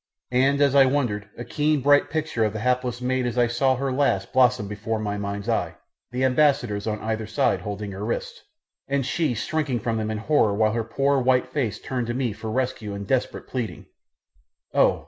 And as I wondered a keen, bright picture of the hapless maid as I saw her last blossomed before my mind's eye, the ambassadors on either side holding her wrists, and she shrinking from them in horror while her poor, white face turned to me for rescue in desperate pleading oh!